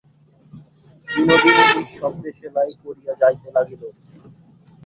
বিনোদিনী নিঃশব্দে সেলাই করিয়া যাইতে লাগিল।